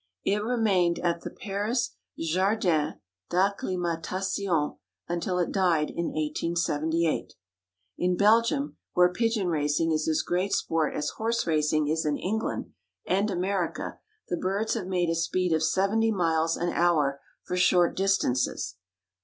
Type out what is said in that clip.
It remained at the Paris Jardin d'Acclimatation until it died in 1878. In Belgium, where pigeon racing is as great sport as horse racing is in England and America, the birds have made a speed of seventy miles an hour for short distances.